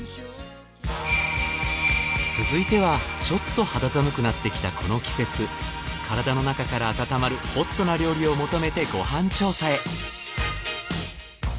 続いてはちょっと肌寒くなってきたこの季節体の中から温まるホットな料理を求めてご飯調査へ。